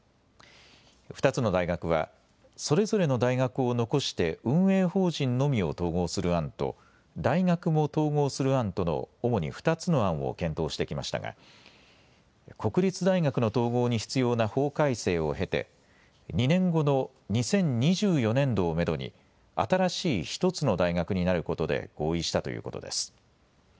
２つの大学はそれぞれの大学を残して運営法人のみを統合する案と大学も統合する案との主に２つの案を検討してきましたが国立大学の統合に必要な法改正を経て２年後の２０２４年度をめどに新しい１つの大学になることで合意したということです。